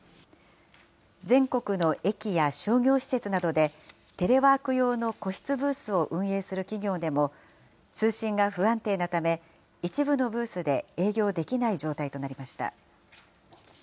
全国の駅や商業施設などでテレワーク用の個室ブースを運営する企業でも、通信が不安定なため、一部のブースで営業できない状態となりました。